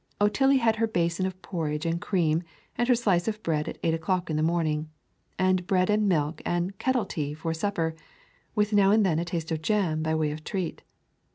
Otillie had her basin of porridge and cream and her slice of bread at eight o'clock every morning, and bread and milk and "kettle tea" for supper, with now and then a taste of jam by way of a treat.